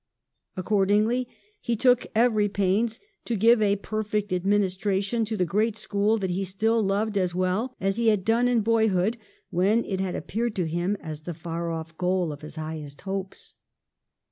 Accordingly he took every pains to give a perfect administration to the great school that he still loved as well as he had done in boyhood, when it had appeared to him as the far off goal of his highest hopes.